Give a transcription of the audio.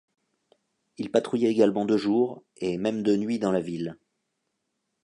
Ils patrouillaient également de jour, et même de nuit dans la ville.